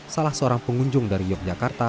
salah seorang pengunjung dari yogyakarta